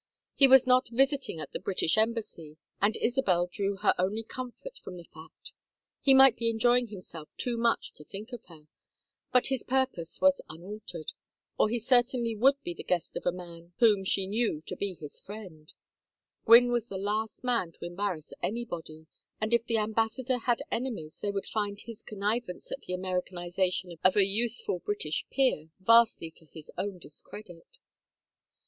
He was not visiting at the British Embassy, and Isabel drew her only comfort from the fact: he might be enjoying himself too much to think of her, but his purpose was unaltered, or he certainly would be the guest of a man whom she knew to be his friend: Gwynne was the last man to embarrass anybody, and if the ambassador had enemies they would find his connivance at the Americanization of a useful British peer vastly to his own discredit.